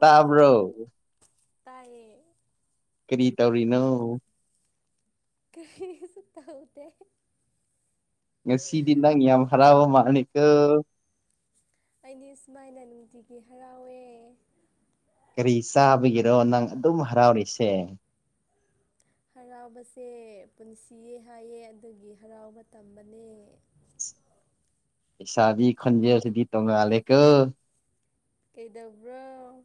ꯇꯕ꯭ꯔꯣ ꯇꯥꯏꯌꯦ ꯀꯔꯤ ꯇꯧꯔꯤꯅꯣ ꯀꯔꯤꯁꯨ ꯇꯧꯗꯦ ꯉꯥꯁꯤꯗꯤ ꯅꯪ ꯌꯥꯝ ꯍꯔꯥꯎꯕ ꯃꯥꯂꯤꯀꯣ ꯑꯩꯗꯤ ꯁꯨꯃꯥꯏꯅ ꯅꯨꯡꯇꯤꯒꯤ ꯍꯔꯥꯎꯋꯦ ꯀꯔꯤ ꯆꯥꯕꯒꯤꯔꯣ ꯅꯪ ꯑꯗꯨꯝ ꯍꯔꯥꯎꯔꯤꯁꯦ ꯍꯔꯥꯎꯕꯁꯦ ꯄꯨꯟꯁꯤꯌꯦ ꯍꯥꯏꯌꯦ ꯑꯗꯨꯒꯤ ꯍꯔꯥꯎꯕ ꯇꯝꯕꯅꯦ [unintelligible] [inaudible] ꯁꯕꯤ ꯈꯟꯖꯦ ꯑꯁꯤꯗꯤ ꯇꯧꯅꯂꯦ ꯀ ꯀꯩꯗꯧꯕ꯭ꯔꯣ [inaudible]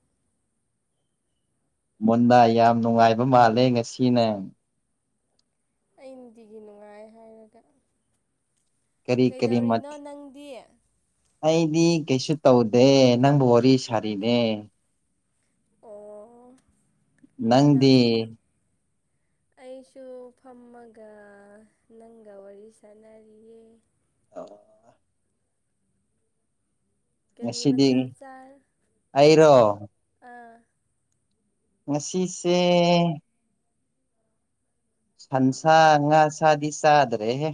ꯃꯨꯟꯅ ꯌꯥꯝ ꯅꯨꯡꯉꯥꯏꯕ ꯃꯥꯜꯂꯦ ꯉꯁꯤꯅꯦ ꯑꯒꯤ ꯅꯨꯡꯉꯥꯏ ꯍꯥꯏꯔꯒ ꯀꯔꯤ ꯀꯔꯤ ꯀꯩꯗꯧꯔꯤꯅꯣ ꯃꯊꯦꯜ ꯅꯪꯗꯤ ꯑꯩꯗꯤ ꯀꯩꯁꯨ ꯇꯧꯗꯦ ꯅꯪꯕꯨ ꯋꯥꯔꯤ ꯁꯥꯔꯤꯅꯦ ꯑꯣ [inaudible] ꯌꯥꯝ ꯅꯪꯗꯦ ꯐꯩ ꯑꯩꯁꯨ ꯐꯝꯃꯒ ꯅꯪꯒ ꯋꯥꯔꯤ ꯁꯥꯟꯅꯔꯤꯌꯦ ꯑ [unintelligible] [inaudible] ꯀꯦꯔꯤ ꯉꯁꯤꯗꯤ ꯃꯊ ꯆꯥ ꯑꯩꯔꯣ ꯑꯥ ꯉꯁꯤꯁꯦ ꯁꯟꯁꯥ ꯉꯥ ꯁꯥꯗꯤ ꯆꯥꯗ꯭ꯔꯦꯍꯦ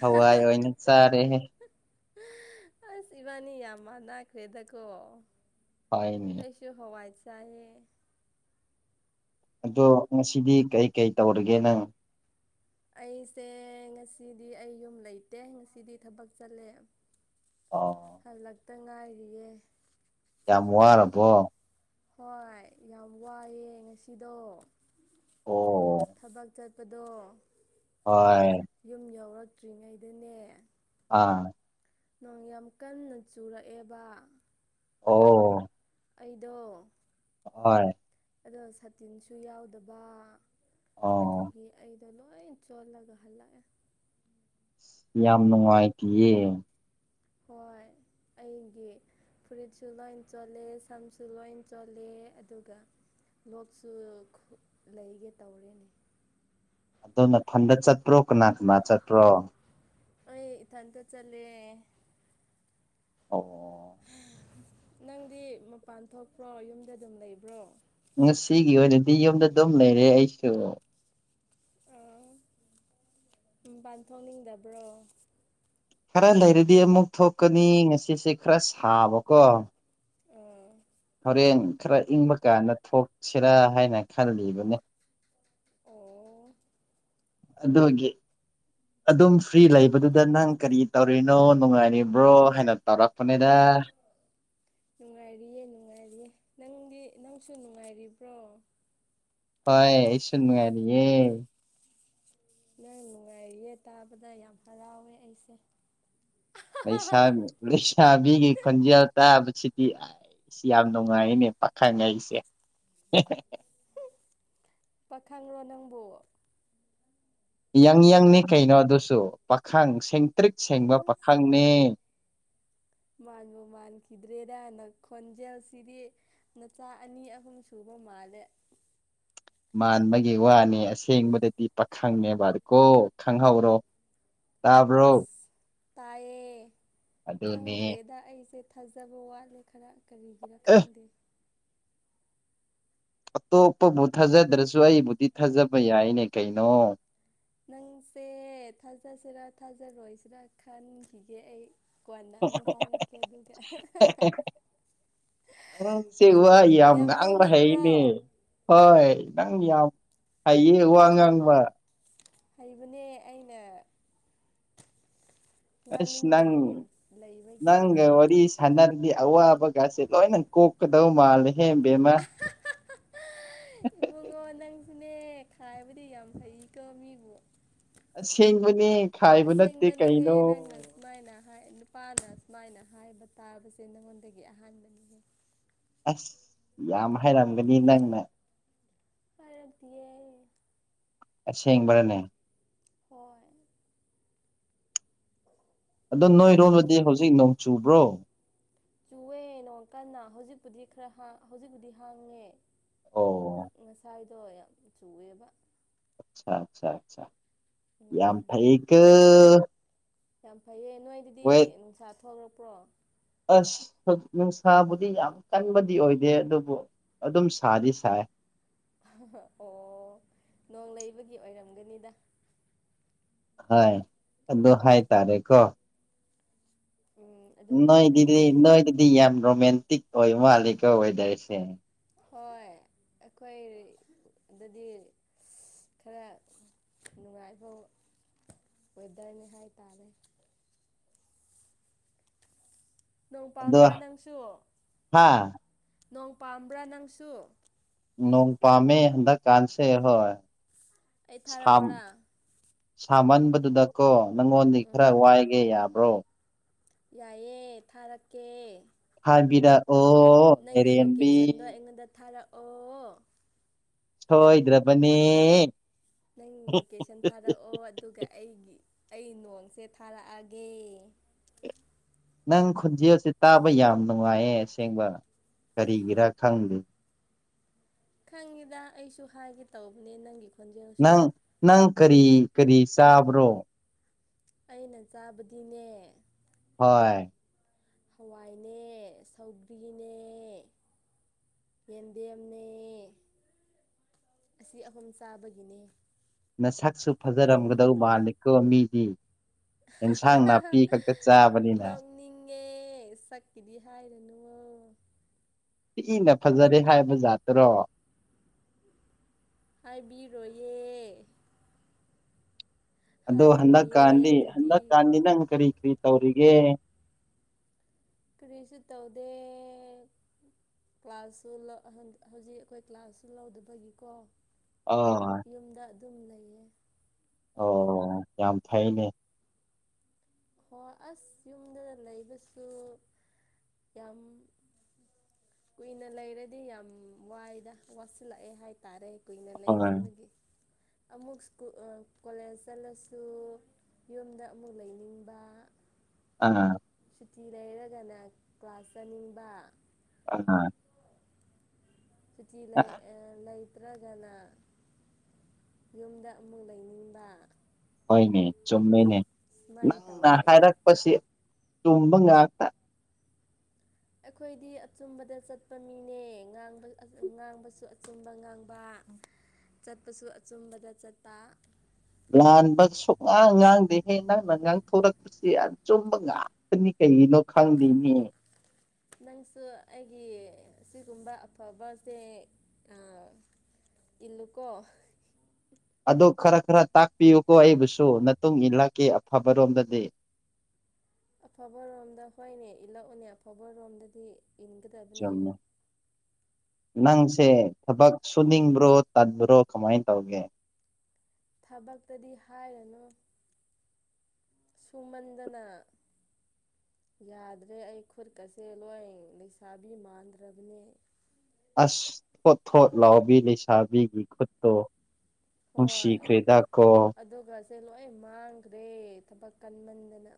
ꯍꯋꯥꯏ ꯑꯣꯏꯅ ꯆꯥꯔꯦꯦ ꯑꯁ ꯏꯕꯥꯅꯤ ꯌꯥꯝꯃ ꯅꯥꯈ꯭ꯔꯦꯗꯀꯣ ꯍꯣꯏꯅꯦ ꯑꯩꯁ ꯍꯋꯥꯆꯑ ꯑꯗꯣ ꯉꯁꯤꯗꯤ ꯀꯩꯀꯩ ꯇꯧꯔꯒꯦ ꯅꯪ ꯑꯩꯁꯦ ꯉꯁꯤꯗꯤ ꯑꯩ ꯌꯨꯝ ꯂꯩꯇꯦ ꯉꯁꯤꯗꯤ ꯊꯕꯛ ꯆꯠꯂꯦ ꯑꯣ ꯍꯜꯂꯛꯇ ꯉꯥꯏꯔꯤꯌꯦ ꯌꯥꯝ ꯋꯥꯔꯕꯣ ꯍꯣꯏ ꯌꯥꯝ ꯋꯥꯏꯑꯦ ꯉꯁꯤꯗꯣ ꯑꯣ ꯊꯕꯛ ꯆꯠ ꯄꯗꯣ ꯍꯣꯏ ꯌꯨꯝ ꯌꯧꯔꯛꯇ꯭ꯔꯤꯉꯩꯗꯅꯦ ꯑꯥ ꯅꯣꯡ ꯌꯥꯝ ꯀꯟꯅ ꯆꯨꯔꯛꯑꯦꯕ ꯑꯣ ꯑꯩꯗꯣ ꯍꯣꯏ ꯑꯗꯣ ꯁꯇꯤꯟꯁꯨ ꯌꯥꯎꯗꯕ ꯑꯣ ꯑꯗꯨꯒꯤ ꯑꯩ ꯂꯣꯏ ꯆꯣꯠꯂꯒ ꯍꯜꯂꯒꯦ ꯌꯥꯝ ꯅꯨꯡꯉꯥꯏꯇꯤ ꯌꯦ ꯍꯣꯏ ꯑꯩꯒꯤ ꯐꯨꯔꯤꯠꯁꯨ ꯂꯣꯏ ꯆꯣꯜꯂꯦ ꯁꯝꯁꯨ ꯂꯣꯏ ꯆꯣꯜꯂꯦ ꯑꯗꯨꯒ ꯂꯣꯛꯁꯨ ꯂꯩꯒꯦ ꯇꯧꯔꯤꯅꯦ ꯑꯗꯨꯗꯣ ꯅꯊꯟꯗ ꯆꯠꯇ꯭ꯔꯣ ꯀꯅꯥ ꯀꯅꯥ ꯆꯠꯇꯄ꯭ꯔꯣ ꯑꯩ ꯏꯊꯟꯇ ꯆꯠꯂꯦ ꯑꯣ ꯅꯪꯗꯤ ꯃꯄꯥꯟ ꯊꯣꯛꯄ꯭ꯔꯣ ꯌꯨꯝꯗ ꯑꯗꯨꯝ ꯂꯩꯕ꯭ꯔꯣ ꯉꯁꯤꯒꯤ ꯑꯣꯏꯅꯗꯤ ꯌꯨꯝꯗ ꯑꯗꯨꯝ ꯂꯩꯔꯦ ꯑꯩꯁꯨ ꯑꯥ ꯄꯥꯟꯊꯣꯛꯅꯤꯡꯗꯕ꯭ꯔꯣ ꯈꯔ ꯂꯩꯔꯗꯤ ꯑꯃꯨꯛ ꯊꯣꯛꯀꯅꯤ ꯉꯁꯤꯁꯦ ꯈꯔ ꯁꯥꯕꯀꯣ ꯑꯥ ꯍꯣꯔꯦꯟ ꯈꯔ ꯏꯪꯕ ꯀꯥꯟꯗ ꯊꯣꯛꯁꯤꯔꯥ ꯍꯥꯏꯅ ꯈꯜꯂꯤꯕꯅꯤ ꯑꯣ ꯑꯗꯨꯒꯤ ꯑꯗꯨꯝ ꯐ꯭ꯔꯤ ꯂꯩꯕꯗꯨꯗ ꯅꯪ ꯀꯔꯤ ꯇꯧꯔꯤꯅꯣ ꯅꯨꯡꯉꯥꯏꯔꯤꯕ꯭ꯔꯣ ꯍꯥꯏꯅ ꯇꯧꯔꯛꯄꯅꯤꯗ ꯑ ꯅꯨꯡꯉꯥꯏꯔꯤꯌꯦ ꯅꯨꯡꯉꯥꯏꯔꯤꯌꯦ ꯅꯪꯒꯤ ꯅꯪꯁꯨ ꯅꯨꯡꯉꯥꯏꯔꯤꯕ꯭ꯔꯣ ꯍꯣꯏ ꯑꯩꯁꯨ ꯅꯨꯡ ꯉꯥꯏꯔꯤꯌꯦ ꯅꯪ ꯅꯨꯡꯉꯥꯏꯔꯤꯌꯦ ꯇꯥꯕꯗ ꯌꯥꯝ ꯍꯔꯥꯎꯋꯦ ꯑꯩꯁꯦ ꯄꯩꯁꯥꯂꯩꯁꯥꯕꯤꯒꯤ ꯈꯟꯖꯦꯜ ꯇꯥꯕꯥ ꯁꯤꯗꯤ ꯁꯤ ꯌꯥꯝ ꯅꯨꯡꯉꯥꯏꯅꯦ ꯄꯥꯈꯪꯉ ꯑꯩꯁꯦ ꯄꯥꯈꯪꯂꯣ ꯅꯪꯕꯨ ꯌꯥꯪꯌꯥꯪꯅꯤ ꯀꯩꯅꯣ ꯑꯗꯨꯁꯨ ꯄꯥꯈꯪ ꯁꯦꯡꯇ꯭ꯔꯤꯛ ꯁꯦꯡꯕ ꯑꯁ ꯄꯥꯈꯪꯅꯤ ꯃꯥꯟꯕꯨ ꯃꯥꯟꯈꯤꯗ꯭ꯔꯦꯔꯅ ꯈꯣꯟꯖꯦꯜꯁꯤꯗꯤ ꯅꯆꯥ ꯑꯅꯤ ꯑꯍꯨꯝ ꯁꯨꯕ ꯃ ꯃꯥꯜꯂꯦ [inaudible] [inaudible] ꯃꯥꯟꯕꯒꯤ ꯋꯥꯅꯦ ꯑꯁꯦꯡꯕꯗꯗꯤ ꯄꯥꯈꯪꯅꯦꯕꯀꯣ ꯈꯪꯍꯧꯔꯣ ꯇꯕꯔꯣ ꯑꯁ ꯇꯥꯏꯌꯦ ꯈꯪꯗ꯭ꯔꯦꯗ ꯑꯩꯁꯦ ꯊꯥꯖꯕ ꯋꯥꯠꯂꯦ ꯈꯔ ꯀꯔꯤꯒꯤꯔ ꯑꯦ ꯈꯪꯗꯦ ꯑꯇꯣꯞꯄꯕꯨ ꯊꯥꯖꯗ꯭ꯔꯁꯨ ꯑꯩꯕꯨꯗꯤ ꯊꯥꯖꯕ ꯌꯥꯏꯅꯦ ꯀꯩꯅꯣ ꯅꯪꯁꯦ ꯊꯥꯖꯁꯤꯔꯥ ꯊꯥꯖꯔꯣꯏꯁꯤꯔꯥ ꯈꯟꯈꯤꯒꯦ ꯑꯩ ꯀꯣꯟꯅ ꯑꯃꯨꯛ ꯍꯥꯏꯔꯛꯀꯦ ꯑꯗꯨꯗꯤ ꯑꯁ ꯅꯪꯁꯦ ꯋꯥ ꯌꯥꯝ ꯅꯣꯛꯅꯤꯡꯕ꯭ꯔꯣ ꯉꯪꯕꯥꯍꯩꯅꯦ ꯍꯣꯏ ꯅꯪ ꯌꯥꯝ ꯍꯌꯦ ꯋꯥ ꯉꯥꯡꯕ ꯍꯩꯕꯅꯦ ꯑꯩꯅ ꯑꯁ ꯅꯪ ꯉꯥꯡꯅꯤꯡꯗꯕꯒꯤ ꯅꯪ ꯂꯩꯕꯒꯤꯅꯤꯗ ꯋꯥꯔꯤ ꯁꯅꯔꯗꯤ ꯑꯋꯥꯕꯒꯁꯦ ꯂꯣꯏꯅ ꯀꯣꯛꯀꯗꯧ ꯃꯥꯜꯂꯦ ꯍꯦꯝꯕꯦꯝꯃ [unintelligible] [inaudible] ꯅꯦ ꯈꯥꯏꯕꯗꯤ ꯌꯥꯝ ꯐꯩꯀꯣ ꯃꯤꯕꯨ ꯑꯁꯦꯡꯕꯅꯦ ꯈꯥꯏꯕ ꯅꯠꯇꯦ ꯀꯩꯅꯣ ꯑꯁꯦꯡꯕꯅꯤꯍꯦ ꯅꯪꯅ ꯁꯨꯃꯥꯏꯅ ꯍꯥꯏ ꯅꯨꯄꯥꯅ ꯁꯨꯃꯥꯏꯅ ꯍꯥꯏꯕ ꯇꯥꯕꯁꯦ ꯅꯪꯉꯣꯟꯗꯒꯤ ꯑꯍꯥꯟꯕꯅꯤꯍ ꯑꯁ ꯌꯥꯝ ꯍꯥꯏꯔꯝꯒꯅꯤ ꯅꯪꯅ ꯐꯔꯛꯇꯗꯤꯦ ꯑꯁꯦꯪꯕꯥꯔꯥꯅꯦ ꯍꯣꯏ ꯑꯗꯣ ꯅꯪꯗꯤ ꯅꯣꯏꯔꯣꯝꯕꯗꯤ ꯍꯧꯖꯤꯛ ꯅꯣꯡ ꯆꯨꯕ꯭ꯔꯣ ꯆꯨꯑꯦ ꯅꯣꯡ ꯀꯟꯅ ꯍꯧꯖꯤꯛꯄꯨꯗꯤ ꯈꯔ ꯍꯧꯖꯤꯛꯄꯨꯗꯤ ꯍꯥꯡꯉꯦ ꯑꯣ ꯉꯁꯥꯏꯗꯣ ꯌꯥꯝ ꯆꯨꯑꯦꯕ ꯑꯆꯥ ꯑꯆꯥ ꯑꯆꯥ ꯌꯥꯝ ꯎꯝ ꯐꯩꯀꯣ ꯌꯥꯝ ꯐꯩꯌꯦꯦ ꯅꯣꯏꯗꯗꯤ ꯋꯦꯠ ꯅꯨꯡꯁꯥ ꯊꯣꯛꯂꯛꯄ꯭ꯔꯣ ꯑꯁ ꯅꯨꯡꯁꯥꯕꯨꯗꯤ ꯌꯥꯝ ꯀꯟꯕꯗꯤ ꯑꯣꯏꯗꯦ ꯑꯗꯨꯕꯨ ꯑꯗꯨꯝ ꯁꯥꯗꯤ ꯁꯥꯏ ꯑꯣ ꯅꯣꯡ ꯂꯩꯕꯒꯤ ꯑꯣꯏꯔꯝꯒꯅꯤꯗ ꯍ ꯑꯗꯨ ꯍꯥꯏ ꯇꯔꯦ ꯀꯣ ꯎꯝ ꯑꯗꯨꯝ ꯅꯣꯏ ꯗꯤꯗꯤ ꯍꯥꯏꯈ꯭ꯔꯁꯦ ꯅꯣꯏ ꯑꯗꯨꯗꯤ ꯌꯥꯝ ꯔꯣꯃꯦꯟꯇꯤꯛ ꯑꯣꯏ ꯃꯥꯜꯂꯤꯀ ꯑꯣꯏꯗꯣꯏꯁꯦ ꯍꯣꯏ ꯑꯩꯈꯣꯏ ꯑꯗꯨꯗꯤ ꯈꯔ ꯅꯨꯡꯉꯥꯏꯕ ꯋꯦꯗꯔꯅꯤꯍꯥꯏ ꯇꯥꯔꯦ ꯅꯣꯡ ꯑꯗꯣ ꯄꯥꯝꯕ꯭ꯔꯥ ꯅꯪꯁꯨ ꯍꯥ ꯅꯣꯡ ꯄꯥꯝꯕ꯭ꯔꯥ ꯅꯪꯁꯨ ꯅꯣꯡ ꯄꯥꯝꯃꯦ ꯍꯟꯗꯛ ꯀꯥꯟꯁꯦ ꯍꯣꯏ ꯑꯩ ꯊꯥꯔ ꯑꯣꯔꯥ ꯁꯥꯃꯟꯕꯗꯨꯗ ꯀꯣ ꯅꯪꯉꯣꯟꯗꯤ ꯈꯔ ꯋꯥꯏꯒꯦ ꯌꯥꯕ꯭ꯔꯣ ꯌꯥꯏꯑꯦ ꯊꯥꯔꯛꯀꯦ ꯍꯥꯏꯕꯤꯔꯛꯑꯣ ꯅꯪꯒꯤ ꯂꯩꯔꯦꯝꯕꯤ ꯂꯣꯀꯦꯁꯟꯗꯣ ꯑꯩꯉꯣꯟꯗ ꯊꯥꯔꯛꯑꯣ ꯁꯣꯏꯗꯔ꯭ꯕꯅꯦ ꯅꯪ ꯂꯣꯀꯦꯁꯟ ꯊꯥꯔꯛꯑꯣ ꯑꯗꯨꯒ ꯑꯩꯒꯤ ꯑꯩ ꯅꯣꯡꯁꯦ ꯊꯥꯔꯛꯑꯒꯦ ꯅꯪ ꯈꯨꯣꯟꯖꯦꯜꯁꯦ ꯇꯥꯕ ꯌꯥꯝ ꯅꯨꯡꯉꯥꯏꯌꯦ ꯑꯁꯦꯡꯕ ꯀꯔꯤꯒꯤꯔꯥ ꯈꯪꯗꯦ ꯈꯪꯉꯤꯗ ꯑꯩꯁꯨ ꯍꯥꯏꯒꯦ ꯇꯧꯕꯅꯦ ꯅꯪꯒꯤ ꯈꯣꯟꯖꯦꯜꯁꯨ ꯅꯪ ꯅꯪ ꯀꯔꯤ ꯀꯔꯤ ꯆꯥꯕ꯭ꯔꯣ ꯑꯩꯅ ꯆꯥꯕꯗꯤꯅꯦ ꯍꯣꯏ ꯍꯋꯥꯏꯅꯦ ꯁꯧꯒ꯭ꯔꯤꯅꯦ ꯌꯦꯟꯗꯦꯝꯅꯦ ꯑꯁꯤ ꯑꯍꯨꯝ ꯆꯥꯕꯒꯤꯅꯦ ꯅꯁꯛꯁꯨ ꯐꯖꯔꯝꯒꯗꯧ ꯃꯥꯜꯂꯀꯣ ꯃꯤꯗꯤ ꯑꯦꯟꯁꯥꯡ ꯅꯥꯄꯤ ꯈꯛꯇ ꯆꯥꯕꯅꯤꯅ ꯪꯉꯦ ꯁꯛꯀꯤꯗꯤ ꯍꯥꯏꯔꯅꯨ ꯁꯤ ꯏꯅ ꯐꯖꯔꯦ ꯍꯥꯏꯕ ꯖꯥꯠꯇ꯭ꯔꯣ ꯍꯥꯏꯕꯤꯔꯣꯌꯦ ꯑꯗꯣ ꯍꯟꯗꯛꯀꯥꯟꯗꯤ ꯑꯗꯨꯗꯤ ꯍꯟꯗꯛꯀꯥꯟꯗꯤ ꯅꯪ ꯀꯔꯤ ꯀ꯭ꯔꯤ ꯇꯧꯒ ꯀꯔꯤꯁꯤ ꯇꯗ ꯀ꯭ꯂꯥꯁꯁꯨ ꯍꯧꯖꯤꯛ ꯑꯩꯈꯣꯏ ꯀ꯭ꯂꯥꯁꯁꯨ ꯂꯧꯗꯕꯒꯤꯀꯣ ꯑ ꯌꯨꯝꯗ ꯑꯗꯨꯝ ꯂꯩꯌꯦ ꯑꯣ ꯌꯥꯝ ꯐꯩꯅꯦ ꯍꯣꯏ ꯑꯁ ꯌꯨꯝꯗꯗ ꯂꯩꯕꯁꯨ ꯌꯥꯝ ꯀꯨꯏꯅ ꯂꯩꯔꯗꯤ ꯌꯥꯝ ꯋꯥꯏꯗ ꯋꯥꯠꯁꯤꯜꯂꯛꯑꯦ ꯍꯥꯏꯇꯥꯔꯦ ꯀꯨꯏꯅ ꯍꯣꯏ ꯂꯩꯃꯟꯕꯒꯤ ꯑꯃꯨꯛ ꯁ‍꯭ꯀꯨꯜ ꯀꯣꯂꯦꯖ ꯆꯠꯂꯁꯨ ꯌꯨꯝꯗ ꯑꯃꯨꯛ ꯂꯩꯅꯤꯡ ꯕ ꯑ ꯁꯨꯇꯤ ꯂꯩꯔꯒꯅ ꯀ꯭ꯂꯥꯁ ꯆꯠꯅꯤꯡꯕ ꯑ ꯁꯨꯇꯤ ꯂꯩ ꯑ ꯂꯩ ꯇ꯭ꯔꯒꯅ ꯌꯨꯝꯗ ꯑꯃꯨꯛ ꯂꯩꯅꯤꯡꯕ ꯍꯣꯏꯅꯦ ꯆꯨꯝꯃꯦꯅꯦ ꯁꯨꯃꯥꯏꯅ ꯅꯪꯅ ꯇꯧꯋꯦ ꯑꯩ ꯍꯥꯏꯔꯛꯄꯁꯤ ꯇꯨꯝꯕ ꯉꯥꯛꯇ ꯑꯩꯈꯣꯏꯗꯤ ꯑꯆꯨꯝꯕꯗ ꯆꯠꯄ ꯃꯤꯅꯦꯕ ꯉꯥꯕ ꯉꯥꯡꯕꯁꯨ ꯑꯆꯨꯝꯕ ꯉꯥꯡꯕ ꯆꯠꯄꯁꯨ ꯑꯆꯨꯝꯕꯗ ꯆꯠꯄ ꯂꯥꯟꯕ ꯁꯨꯛꯉꯥꯡ ꯉꯥꯡꯗꯦ ꯍꯦ ꯅꯪꯡꯅ ꯉꯥꯡ ꯊꯣꯔꯛꯄꯁꯤ ꯑ ꯆꯨꯝꯕ ꯉꯥꯛꯇꯅꯤ ꯀꯩ ꯀꯩꯒꯤꯅꯣ ꯈꯪꯗꯤꯅꯤ ꯅꯪꯁꯨ ꯑꯩꯒꯤ ꯁꯤꯒꯨꯝꯕ ꯑꯐꯕꯁꯦ ꯑ ꯏꯜꯂꯨꯀꯣ ꯑꯗꯨ ꯈꯔ ꯈꯔ ꯇꯥꯛꯄꯤꯌꯨꯀꯣ ꯑꯩꯕꯨꯁꯨ ꯅꯇꯨꯡ ꯏꯜꯂꯛꯀꯦ ꯑꯐꯕꯔꯣꯝꯗꯗꯤ [inaudible] ꯑꯐꯕ ꯔꯣꯝꯗ ꯍꯣꯏꯅꯦ ꯏꯜꯂꯛꯎꯅꯦ ꯑꯐꯕꯔꯣꯝꯗꯗꯤ ꯏꯟꯒꯗꯕꯅꯦ ꯆꯨꯝꯃꯦ ꯅꯪꯁꯦ ꯊꯕꯛ ꯁꯨꯅꯤꯡꯕ꯭ꯔꯣ ꯇꯟꯕ꯭ꯔꯣ ꯀꯃꯥꯏ ꯇꯧꯒꯦ ꯊꯕꯛꯇꯗꯤ ꯍꯥꯏꯔꯅꯨ ꯁꯨꯃꯟꯗꯅ ꯌꯥꯗ꯭ꯔꯦ ꯑꯩ ꯈꯨꯠꯀꯁꯦ ꯂꯣꯏ ꯂꯩꯁꯥꯕꯤ ꯃꯥꯟꯗ꯭ꯔꯕꯅꯦ ꯁꯤ ꯊꯣꯠ ꯊꯣꯠ ꯂꯥꯎꯕꯤ ꯂꯩꯁꯥꯕꯤꯒꯤ ꯈꯨꯠꯇꯣ ꯅꯨꯡꯁꯤꯈ꯭ꯔꯦꯗ ꯀꯣ ꯁꯦ ꯂꯣꯏ ꯃꯥꯡꯒ꯭ꯔꯦ ꯊꯕꯛ ꯀꯟꯃꯟꯗꯅ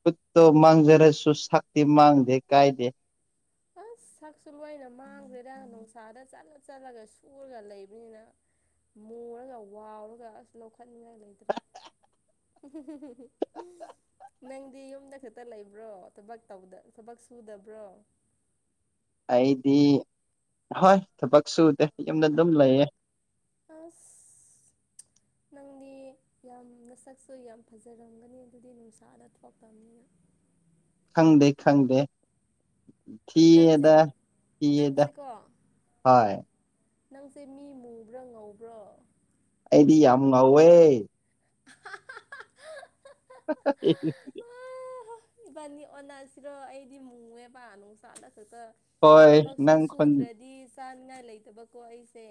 ꯈꯨꯠꯇꯣ ꯃꯥꯡꯖꯔꯁꯨ ꯁꯛꯇꯤ ꯃꯥꯡꯗꯦ ꯀꯥꯏꯗꯦ ꯑꯁ ꯁꯛꯁꯨ ꯂꯣꯏꯅ ꯃꯥꯡꯒ꯭ꯔꯦꯗ ꯅꯨꯡꯁꯥꯗ ꯆꯠꯂ ꯆꯠꯂꯒ ꯁꯨꯔꯒ ꯂꯩꯕꯅꯤꯅ ꯃꯨꯔꯒ ꯋꯥꯎꯔꯒ ꯑꯁ ꯂꯧꯈꯠꯅꯤꯡꯉꯥꯏ ꯂꯩꯇ꯭ꯔꯦ [unintelligible] ꯅꯪꯗꯤ ꯌꯨꯝꯗ ꯈꯛꯇ ꯂꯩꯕ꯭ꯔꯣ ꯊꯕꯛ ꯇꯧꯕꯗ ꯊꯕꯛ ꯁꯨꯗꯕ꯭ꯔꯣ ꯑꯩꯗꯤ ꯍꯣꯏ ꯊꯕꯛ ꯁꯨꯗꯦ ꯌꯨꯝꯗ ꯑꯗꯨꯝ ꯂꯩꯌꯦ ꯑꯁ ꯅꯪꯗꯤ ꯌꯥꯝ ꯅꯁꯛꯁꯨ ꯌꯥꯝ ꯐꯖꯔꯝꯒꯅꯤ ꯑꯗꯨꯗꯤ ꯅꯨꯡꯁꯥꯗ ꯊꯣꯛꯇꯕꯅꯤꯅ ꯈꯪꯗꯦ ꯈꯪꯗꯦ ꯅꯪꯁꯦ ꯊꯤꯌ‌ꯦꯗ ꯊꯤꯌꯦꯗ ꯅꯪꯁꯦꯀꯣ ꯍꫭꯏ ꯅꯪꯁꯦ ꯃꯤ ꯃꯨꯕ꯭ꯔꯥ ꯉꯧꯕ꯭ꯔꯣ ꯑꯩꯗꯤ ꯌꯥꯝ ꯉꯧꯋꯦ ꯑꯍꯥ ꯍꯥ ꯍꯥ ꯦ [unintelligible] ꯑꯣꯍꯣ ꯏꯕꯥꯅꯤ ꯑꯣꯟꯅꯁꯤꯔꯣ ꯑꯩꯗꯤ ꯃꯨꯋꯦꯕ ꯅꯨꯡꯁꯥꯗ ꯊꯇ ꯍꯣꯏ ꯊꯕꯛꯁꯨ ꯅꯪ ꯈꯣꯟ ꯁꯨꯗ꯭ꯔꯗꯤ ꯆꯥꯅꯤꯡꯉꯥꯏ ꯂꯩꯇꯕꯀꯣ ꯑꯩꯁꯦ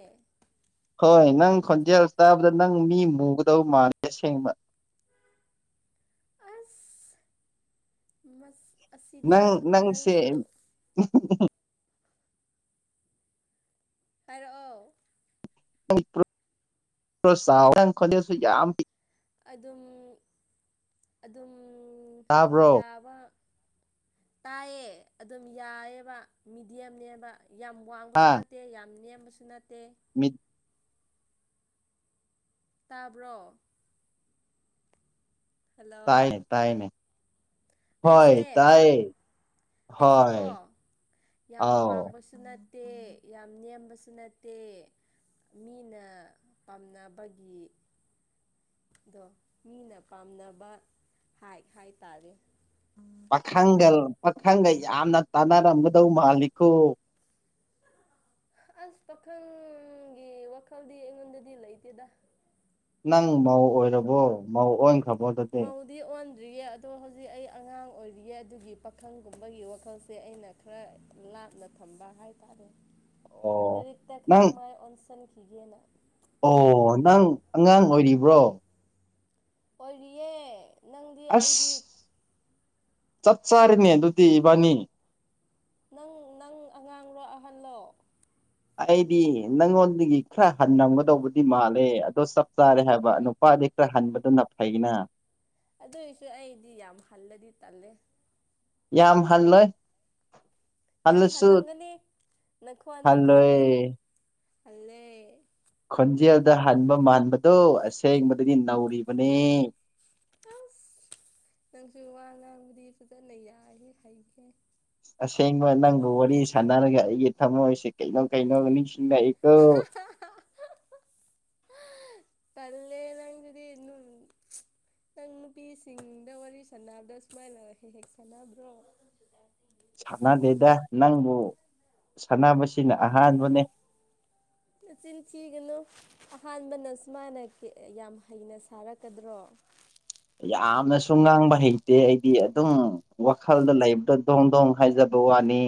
ꯍꯣꯏ ꯅꯪ ꯈꯣꯟꯖꯦꯜ ꯇꯥꯕꯗ ꯅꯪ ꯃꯤ ꯃꯨꯒꯗꯧ ꯃꯥꯂꯦ ꯑꯁꯦꯡꯕ [inaudible] ꯃꯁ ꯑꯁꯤꯗꯤ ꯅꯪ ꯅꯪꯁꯦ ꯅꯪꯁꯨ ꯍꯥꯏꯔꯛ ꯑꫭ ꯈꯔꯌꯥꯎ ꯅꯪ ꯈꫭꯟꯖ‌ꯦꯜꯁꯨ ꯌꯥꯝ ꯄꯤꯛ ꯑꯗꯨꯝ ꯑꯗꯨꯝ ꯇꯥꯕ꯭ꯔꯣ ꯌꯥꯕ ꯇꯥꯏꯌꯦ ꯑꯗꯨꯝ ꯌꯥꯏꯑꯦꯕ ꯃꯤꯗꯤꯌꯝꯅꯦꯕ ꯌꯥꯝ ꯋꯥꯡꯕꯁꯨ ꯅꯠꯇꯦ ꯌꯥꯝ ꯅꯦꯝꯕꯁꯨ ꯅꯠꯇꯦ ꯃꯤ ꯇꯥꯕ꯭ꯔꯣ ꯍꯜꯂꯣ ꯇꯥꯏꯅꯦ ꯇꯥꯏꯅꯦ ꯍꯣꯏ ꯑꯩꯁꯦ ꯇꯥꯏꯌꯦ ꯍꯣꯏ ꯑꯩꯁꯦꯀꯣ ꯌꯥꯝ ꯑꯥꯎ ꯋꯥꯡꯕꯁꯨ ꯅꯠꯇꯦ ꯅꯠꯇꯦ ꯌꯥꯝ ꯅꯦꯝꯕꯁꯨ ꯅꯠꯇꯦ ꯃꯤꯅ ꯄꯥꯝꯅꯕꯒꯤ ꯑꯗꯣ ꯃꯤꯅ ꯄꯥꯝꯅꯕ ꯍꯥꯏ ꯍꯥꯏ ꯇꯔꯦ ꯄꯥꯈꯪꯒ ꯄꯥꯈꯪꯒ ꯌꯥꯝꯅ ꯇꯥꯟꯅꯔꯝꯒꯗꯧ ꯃꯥꯜꯂꯤꯈꯣ ꯑꯁ ꯄꯈꯪ ꯒꯤ ꯋꯥꯈꯜꯗꯤ ꯌꯦꯉꯗꯗꯤꯂꯇꯦꯗ ꯅꯪ ꯃꯧ ꯑꯣꯏꯔꯕꯣ ꯃꯧ ꯑꯣꯏꯅ ꯃꯎꯗꯤ ꯑꯣꯟ ꯔꯤꯌꯦ ꯑꯗꯣ ꯍꯧꯖꯤꯛ ꯑꯩ ꯑꯉꯥꯡ ꯑꯣꯏꯔꯤꯌꯦꯦ ꯑꯗꯨꯒꯤ ꯄꯥꯈꯪꯒꯨꯝꯕꯒꯤ ꯋꯥꯈꯜꯁꯦ ꯑꯩꯅ ꯈꯔ ꯂꯥꯞꯅ ꯊꯝꯕ ꯍꯥꯏꯇꯥꯔꯦ ꯑꯣ ꯂꯥꯏꯔꯤꯛꯇ ꯅꯪ ꯈꯔ ꯃꯥꯏ ꯑꯣꯟꯁꯤꯟꯈꯤꯒꯦꯅ ꯑꯣ ꯅꯪ ꯑꯉꯥꯡ ꯑꯣꯏꯔꯤꯕ꯭ꯔꯣ ꯑꯣꯏꯦ ꯑꯁ ꯆꯠ ꯆꯥꯔꯤꯅꯦ ꯑꯗꯨꯗꯤ ꯏꯕꯥꯅꯤ ꯅꯪ ꯅꯪ ꯑꯉꯥꯡꯂꯣ ꯑꯍꯜꯂꯣ ꯑꯩꯗꯤ ꯅꯪꯉꯣꯟꯗꯒꯤ ꯈꯔ ꯍꯔꯝꯒꯗꯧꯕꯗꯤ ꯃꯥꯜꯂꯦ ꯑꯗꯣ ꯆꯞ ꯆꯥꯔꯦ ꯍꯥꯏꯕ ꯅꯨꯄꯥꯗꯤ ꯍꯟꯕꯗꯨꯅ ꯐꯩꯅ ꯑꯗꯨꯏꯁꯨ ꯑꯩꯗꯤ ꯌꯥꯝ ꯍꯜꯂꯗꯤ ꯇꯜꯂꯦ ꯌꯥꯝ ꯍꯜꯂꯣꯏ ꯌꯥꯝ ꯍꯜꯂꯁꯨ ꯍꯜꯂꯝꯒꯅꯤ ꯅꯪꯈꯣꯟꯜꯗꯣ ꯍꯜꯂꯣꯏ ꯈꯪꯉꯦ ꯍꯜꯂꯦ ꯈꯣꯟꯖꯦꯜꯗ ꯍꯟꯕ ꯃꯥꯟꯕꯗꯨꯣ ꯑꯁꯦꯡꯕꯗꯤ ꯅꯧꯔꯤꯕꯅꯤ ꯑꯁ ꯅꯪꯁꯨ ꯋꯥ ꯉꯥꯡꯕꯨꯗꯤ ꯐꯖꯅ ꯌꯥꯏ ꯍꯩꯒꯦ ꯑꯁꯦꯡꯕ ꯅꯪꯒ ꯋꯥꯔꯤ ꯁꯥꯟꯅꯔꯒ ꯑꯩꯒꯤ ꯊꯝꯃꯣꯏꯁꯤꯦ ꯀꯩꯅꯣ ꯀꯩꯅꯣ ꯅꯤꯡꯁꯤꯡꯉꯛꯏꯀꯣ [unintelligible] [inaudible] ꯄꯂꯦ ꯂꯗꯤ ꯅꯨꯄꯤꯁꯤꯡꯗ ꯋꯥꯔꯤ ꯁꯥꯟꯗ ꯁꯨꯃꯥꯏꯅꯔ ꯍꯦꯛ ꯍꯦꯛ ꯁꯥꯟꯅꯕ꯭ꯔꯣ ꯁꯥꯟꯅꯗꯦꯗ ꯅꯪꯕꯨ ꯁꯥꯟꯅꯕꯕꯁꯤꯅ ꯑꯍꯥꯟꯕꯅꯦ ꯆꯤꯟ ꯊꯤꯒꯅꯨ ꯑꯍꯥꯟꯕꯅ ꯁꯨꯃꯅ ꯌꯥꯝ ꯍꯩꯅ ꯁꯥꯔꯛꯀꯗ꯭ꯔꯣ [unintelligible] [inaudible] ꯌꯥꯝꯅꯁꯨ ꯉꯥꯡꯕ ꯍꯩꯇꯦ ꯑꯩꯗꯤ ꯑꯗꯨꯝ ꯋꯥꯈꯜꯗ ꯂꯩꯕꯗ ꯗꯣꯡ ꯗꯣꯡ ꯍꯥꯏꯖꯕ ꯇ ꯋꯥꯅꯤ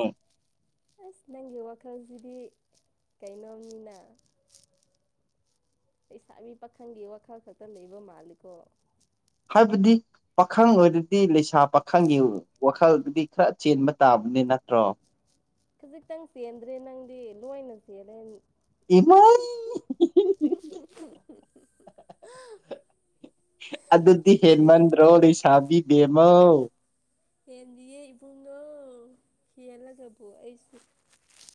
ꯑꯁ ꯅꯪꯒꯤ ꯋꯥꯈꯜꯁꯤꯗꯤ ꯀꯩꯅꯣꯝꯅꯤꯅ ꯂꯩꯁꯥꯕꯤ ꯄꯥꯈꯪꯒꯤ ꯋꯥꯈꯜ ꯈꯛꯇ ꯂꯩꯕ ꯃꯥꯜꯂꯤꯀꯣ ꯍꯥꯏꯕꯗꯤ ꯄꯥꯈꯪ ꯑꯣꯏꯔꯗꯤ ꯂꯩꯁꯥ ꯄꯥꯈꯪꯒꯤ ꯋꯥꯈꯜꯗꯨꯗꯤ ꯈꯔ ꯆꯦꯟꯕ ꯇꯥꯕ ꯅꯤ ꯅꯠꯇ꯭ꯔꯣ ꯈꯖꯤꯛꯇꯪ ꯆꯦꯟꯗ꯭ꯔꯦ ꯅꯪꯗꯤ ꯂꯣꯏꯅ ꯆꯦꯜꯂꯦ ꯑꯦꯃꯥꯏ ꯑꯗꯨꯗꯤ ꯍꯦꯟꯃꯟꯗ꯭ꯔꯣ ꯂꯩꯁꯥꯕꯤ ꯕꯦꯝꯃꯧ ꯌꯦꯟꯗꯤꯌꯦ ꯏꯕꯨꯡꯗꯣ ꯍꯦꯜꯂꯒꯕꯨ ꯑꯩꯁꯨ